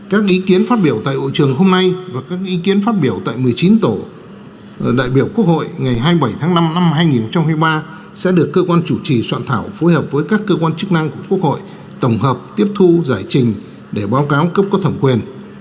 các ý kiến phát biểu tại hội trường hôm nay và các ý kiến phát biểu tại một mươi chín tổ đại biểu quốc hội ngày hai mươi bảy tháng năm năm hai nghìn hai mươi ba sẽ được cơ quan chủ trì soạn thảo phối hợp với các cơ quan chức năng của quốc hội tổng hợp tiếp thu giải trình để báo cáo cấp có thẩm quyền